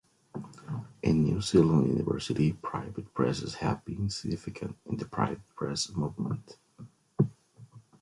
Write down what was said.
In New Zealand university private presses have been significant in the private press movement.